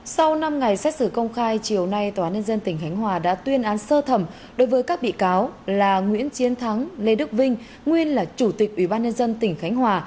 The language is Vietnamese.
sau năm ngày xét xử công khai chiều nay tnth đã tuyên án sơ thẩm đối với các bị cáo là nguyễn chiến thắng lê đức vinh